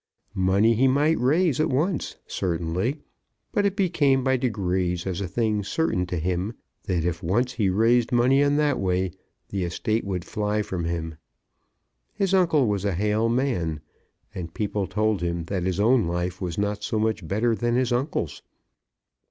Money he might raise at once, certainly; but it became by degrees as a thing certain to him, that if once he raised money in that way, the estate would fly from him. His uncle was a hale man, and people told him that his own life was not so much better than his uncle's.